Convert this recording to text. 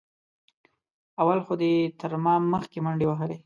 اول خو دې تر ما مخکې منډې وهلې.